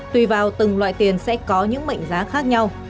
tùy vào từng loại tiền sẽ có những mệnh giá khác nhau